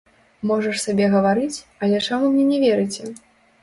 Можаш сабе гаварыць, але чаму мне не верыце!